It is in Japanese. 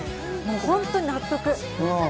本当に納得。